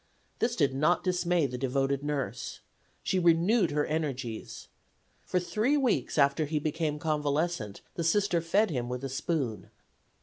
This did not dismay the devoted nurse. She renewed her energies. For three weeks after he became convalescent the Sister fed him with a spoon.